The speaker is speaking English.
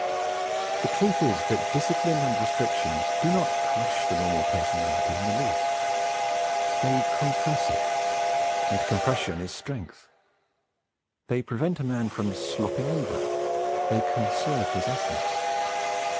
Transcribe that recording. The truth is that discipline and restriction do not 'crush' the normal personality in the least. They compress it; and compression is strength. They prevent a man from 'slopping over'; they conserve his essence.